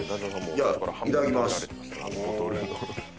じゃあいただきます。